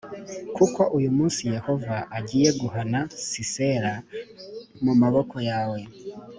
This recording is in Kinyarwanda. kuko uyu munsi yehova agiye guhana sisera mu maboko yawe